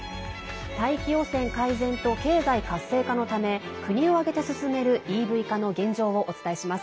大気汚染改善と経済活性化のため国を挙げて進めるＥＶ化の現状をお伝えします。